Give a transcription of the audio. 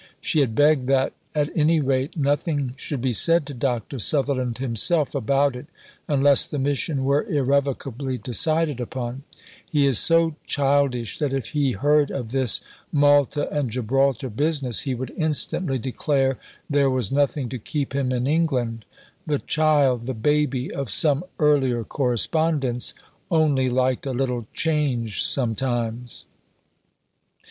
She had begged that at any rate nothing should be said to Dr. Sutherland himself about it unless the mission were irrevocably decided upon: "he is so childish that if he heard of this Malta and Gibraltar business he would instantly declare there was nothing to keep him in England." The "child" the "baby" of some earlier correspondence only liked a little change sometimes.